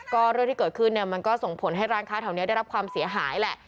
ก็เรื่องที่เกิดขึ้นเนี่ยมันก็ส่งผลให้ร้านค้าแถวนี้ได้รับความเสียหายแหละ